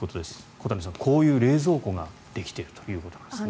小谷さん、こういう冷蔵庫ができているということですね。